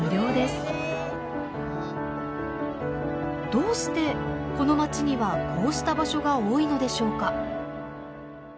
どうしてこの町にはこうした場所が多いのでしょうか。